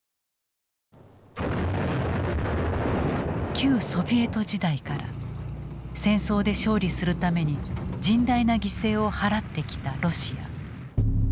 旧ソビエト時代から戦争で勝利するために甚大な犠牲を払ってきたロシア。